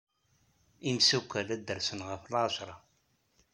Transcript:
Imessukal ad d-rsen ɣef lɛacra.